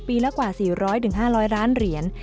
ละกว่า๔๐๐๕๐๐ล้านเหรียญ